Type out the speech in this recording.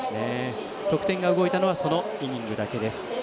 得点が動いたのはそのイニングだけです。